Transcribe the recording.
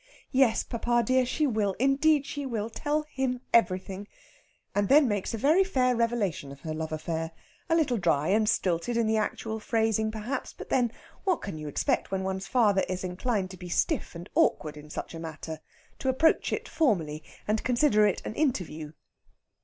Yes, papa dear, she will, indeed she will, tell him everything. And then makes a very fair revelation of her love affair a little dry and stilted in the actual phrasing, perhaps, but then, what can you expect when one's father is inclined to be stiff and awkward in such a matter, to approach it formally, and consider it an interview?